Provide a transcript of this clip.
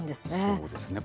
そうですね。